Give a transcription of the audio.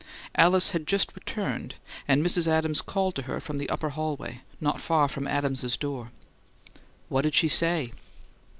Alice had just returned, and Mrs. Adams called to her from the upper hallway, not far from Adams's door. "What did she SAY?"